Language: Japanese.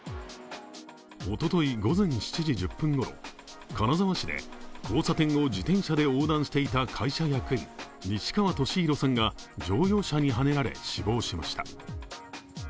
おととい、午前７時１０分ごろ金沢市で交差点を自転車で横断していた会社役員、西川俊宏さんが乗用車にはねられ、死亡しました。